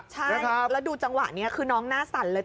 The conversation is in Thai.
ใช่แล้วดูจังหวะนี้คือน้องหน้าสั่นเลย